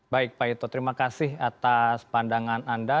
baik pak ito terima kasih atas pandangan anda